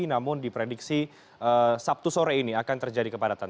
namun diprediksi sabtu sore ini akan terjadi kepadatan